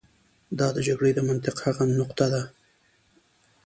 دا د جګړې د منطق هغه نقطه ده.